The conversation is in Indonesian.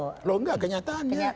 loh enggak kenyataannya